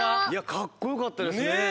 かっこよかったですね。